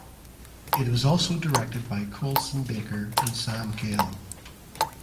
It was also directed by Colson Baker and Sam Cahill.